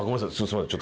すいません。